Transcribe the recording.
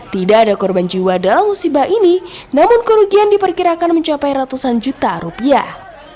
tidak ada korban jiwa dalam musibah ini namun kerugian diperkirakan mencapai ratusan juta rupiah